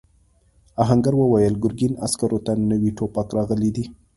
آهنګر وویل ګرګین عسکرو ته نوي ټوپک راغلی دی.